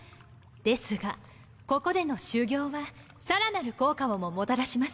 ですがここでの修行はさらなる効果をももたらします。